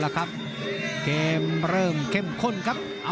เกมเริ่มเข้มข้นครับ